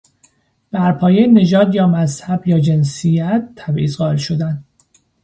برپایهی نژاد یا مذهب یا جنسیت تبعیض قائل شدن